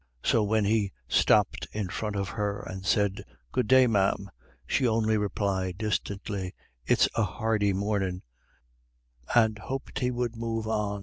So when he stopped in front of her and said, "Good day, ma'am," she only replied distantly, "It's a hardy mornin'," and hoped he would move on.